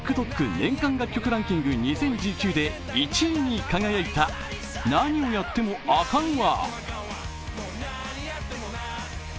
年間楽曲ランキング２０１９で１位に輝いた「なにをやってもあかんわ」。